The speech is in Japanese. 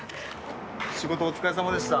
仕事お疲れさまでした。